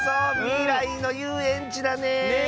みらいのゆうえんちだね！